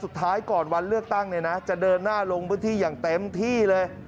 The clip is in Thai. สุดท้ายก่อนวันเลือกตั้งเนี่ยนะจะเดินหน้าลงพื้นที่อย่างเต็มที่เลย